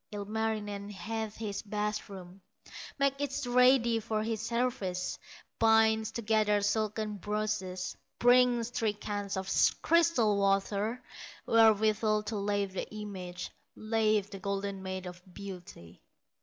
Ilmarinen heats his bath room, Makes it ready for his service, Binds together silken brushes, Brings three cans of crystal water, Wherewithal to lave the image, Lave the golden maid of beauty.